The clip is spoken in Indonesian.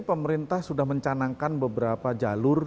pemerintah sudah mencanangkan beberapa jalur